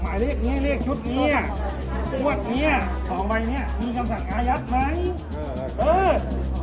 หมายเลขนี้เลขชุดนี้ทุกวัดเนี่ยสองใบเนี้ยมีความสั่งอาญาติไหม